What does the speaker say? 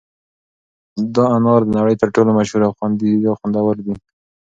دا انار د نړۍ تر ټولو مشهور او خوندور انار دي.